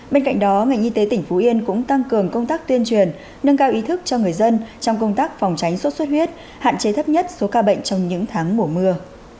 bên cạnh đó ngành y tế tỉnh phú yên cũng tăng cường công tác tuyên truyền nâng cao ý thức cho người dân trong công tác phòng tránh sốt xuất huyết hạn chế thấp nhất số ca bệnh trong những tháng mùa mưa